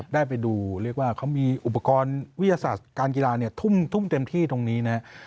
ได้ไปดูเรียกว่าเขามีอุปกรณ์วิทยาศาสตร์การกีฬาเนี่ยทุ่มเต็มที่ตรงนี้นะครับ